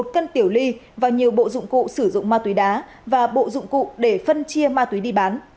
một cân tiểu ly và nhiều bộ dụng cụ sử dụng ma túy đá và bộ dụng cụ để phân chia ma túy đi bán